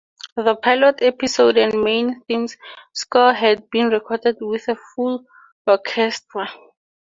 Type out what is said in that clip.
The pilot episode and main theme score had been recorded with a full orchestra.